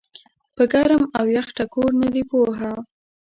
پۀ ګرم او يخ ټکور نۀ دي پوهه